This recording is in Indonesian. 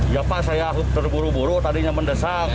ya pak saya terburu buru tadinya mendesak